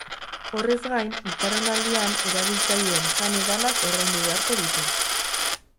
Horrez gain, itxaronaldian erabiltzaileen jan-edanak ordaindu beharko ditu.